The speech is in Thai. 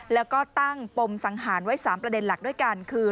แล้วก็ตั้งปมสังหารไว้๓ประเด็นหลักด้วยกันคือ